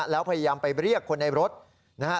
แล้วพยายามไปเรียกคนในรถนะฮะ